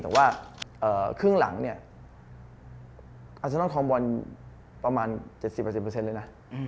แต่ว่าครึ่งหลังเนี่ยอาซานอนคอมบอลประมาณ๗๐เลยนะ